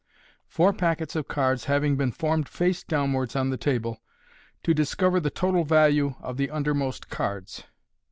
Four Packets of Cards having been Formed face down wards on the Table, to discover the Total Value of the Undermost Cards.